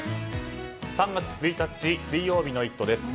３月１日、水曜日の「イット！」です。